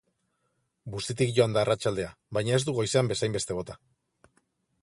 Bustitik joan da arratsaldea, baina ez du goizean bezainbeste bota.